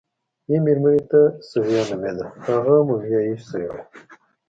دې مېرمنې ته ثویا نومېده، هغه هم مومیايي شوې وه.